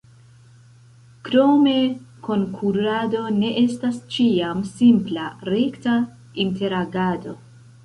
Krome, konkurado ne estas ĉiam simpla, rekta, interagado.